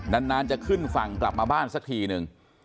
นานจะขึ้นฝั่งกลับมาบ้านสักทีนึง